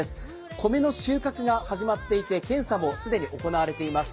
米の収穫が始まっていて、検査も既に行われています。